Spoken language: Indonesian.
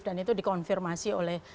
dan itu dikonfirmasi oleh